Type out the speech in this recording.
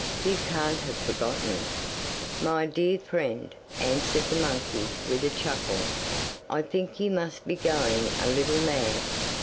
You CAN'T have forgotten!' 'My dear friend,' answered the monkey, with a chuckle, 'I think you must be going a little mad.